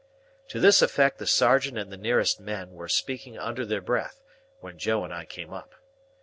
To this effect the sergeant and the nearest men were speaking under their breath, when Joe and I came up.